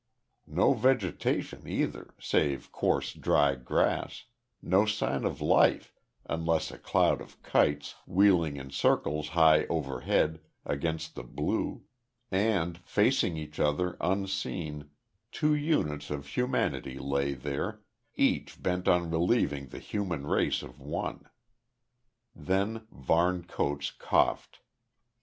No vegetation either, save coarse dry grass, no sign of life, unless a cloud of kites, wheeling in circles high overhead, against the blue. And, facing each other, unseen, two units of humanity lay there, each bent on relieving the human race of one. Then Varne Coates coughed.